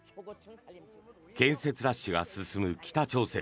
建設ラッシュが進む北朝鮮。